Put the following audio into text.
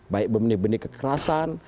baik benih benih kekerasan